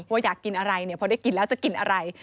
ว่าอยากกินอะไรเนี่ยพอได้กินแล้วจะกินอะไร